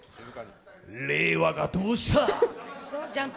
令和がどうした？